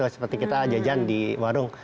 seperti kita jajan di warung